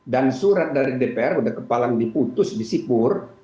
dan surat dari dpr sudah kepala diputus disipur